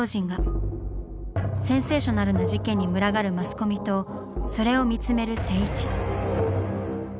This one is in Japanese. センセーショナルな事件に群がるマスコミとそれを見つめる静一。